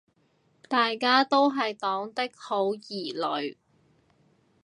大家都是黨的好兒女